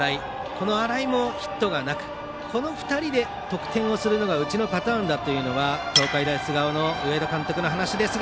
この新井もヒットがなくこの２人で得点をするのがうちのパターンだというのが東海大菅生の上田監督の話です。